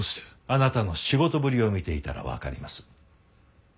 あなたの仕事ぶりを見ていたらわかります。